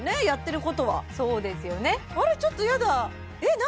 やってることはそうですよねあれちょっとやだえ？